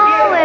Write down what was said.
kau tahu ya